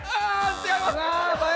違います！